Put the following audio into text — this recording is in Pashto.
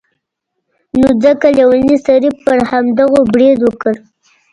نو ځکه لیوني سړي پر همدغو برید وکړ.